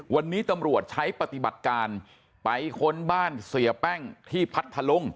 วันนี้ตำรวจใช้ปฏิบัติการไปค้นบ้านเสียแป้งที่พัทธลุง